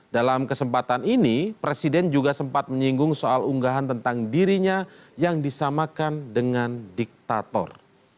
dalam kesempatan ini presiden juga sempat menyinggung soal unggahan tentang dirinya yang disamakan dengan diktator